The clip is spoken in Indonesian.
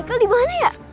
haikal dimana ya